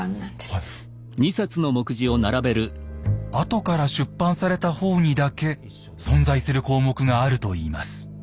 後から出版された方にだけ存在する項目があるといいます。